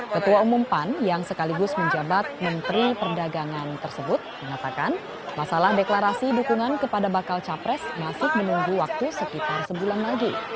ketua umum pan yang sekaligus menjabat menteri perdagangan tersebut mengatakan masalah deklarasi dukungan kepada bakal capres masih menunggu waktu sekitar sebulan lagi